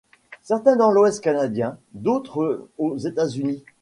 Certains dans l'Ouest canadien, d'autres aux États-Unis.